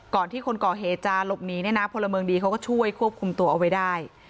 ที่คนก่อเหตุจะหลบหนีเนี่ยนะพลเมืองดีเขาก็ช่วยควบคุมตัวเอาไว้ได้